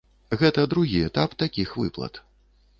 Гэта другі этап такіх выплат.